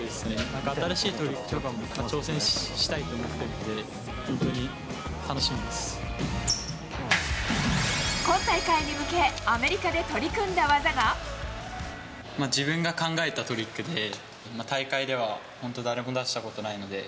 なんか新しいトリックとかも、挑戦したいと思ってるんで、今大会に向け、アメリカで取自分が考えたトリックで、大会では、本当、誰も出したことないので。